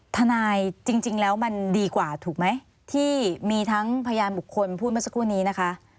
จริงแล้วมันดีกว่าถูกไหมที่มีทั้งพยานบุคคลพูดเมื่อสักครู่นี้นะคะ